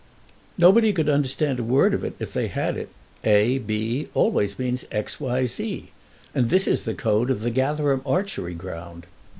"Nobody could understand a word of it if they had it. A. B. always means X. Y. Z. And this is the code of the Gatherum Archery Ground.